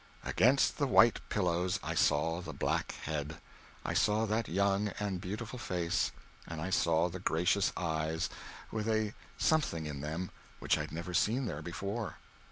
Against the white pillows I saw the black head I saw that young and beautiful face; and I saw the gracious eyes with a something in them which I had never seen there before.